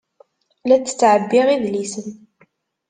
La d-ttɛebbiɣ idlisen.